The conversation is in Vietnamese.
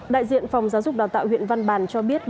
đại diện phòng giáo dục đào tạo huyện văn bàn cho biết